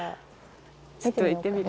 ちょっと行ってみる？